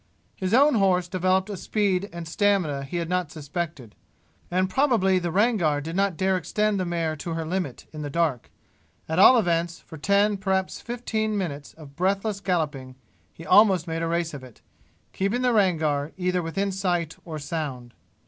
His own horse developed a speed and stamina he had not suspected, and probably the Rangar did not dare extend the mare to her limit in the dark; at all events, for ten, perhaps fifteen, minutes of breathless galloping he almost made a race of it, keeping the Rangar, either within sight or sound.